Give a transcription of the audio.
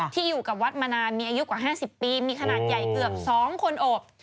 ที่อยู่กับวัดมานานมีอายุกว่า๕๐ปีมีขนาดใหญ่เกือบ๒คนโอบ